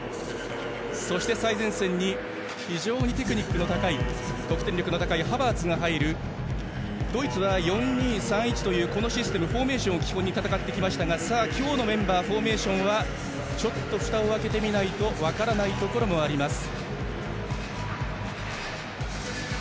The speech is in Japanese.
そして最前線に非常にテクニックの高い得点力の高いハバーツが入るドイツは４−２−３−１というこのシステムフォーメーションを基本に戦ってきましたが今日のメンバーフォーメーションはちょっとふたを開けてみないと分からないところもあります。